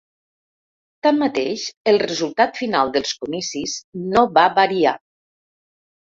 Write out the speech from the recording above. Tanmateix, el resultat final dels comicis no va variar.